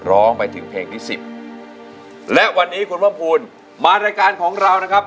ร้องไปถึงเพลงที่สิบและวันนี้คุณเพิ่มภูมิมารายการของเรานะครับ